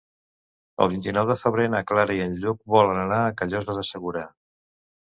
El vint-i-nou de febrer na Clara i en Lluc volen anar a Callosa de Segura.